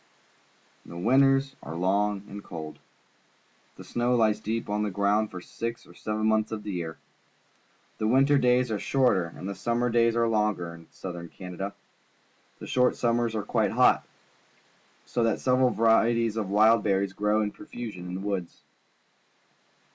The winters are long and cold. The snow lies deep on the ground for six or seven months of the year. The winter days are shorter and the summer days are longer than in Southern Canada. The short sum mers are quite hot, so that several varieties of wild berries grow in profusion in the woods.